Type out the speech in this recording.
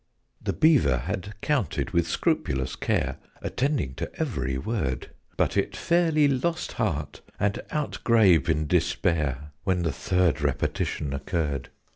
The Beaver had counted with scrupulous care, Attending to every word: But it fairly lost heart, and outgrabe in despair, When the third repetition occurred.